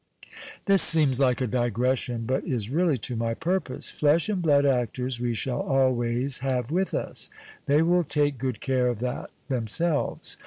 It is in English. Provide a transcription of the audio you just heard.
This seems like a digression, but is really to my purpose. Flesh and blood actors we sliall always 176 THE PUPPETS iuivc with us ; they will take good care of that themselves.